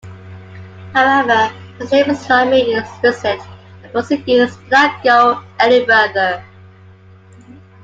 However, his name was not made explicit and proceedings did not go any further.